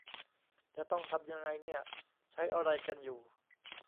จะต้องทำยังไงเนี่ย ใช้อะไรกันอยู่